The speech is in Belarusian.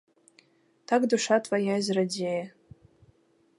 Так душа твая і зрадзее.